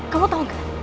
kamu tau gak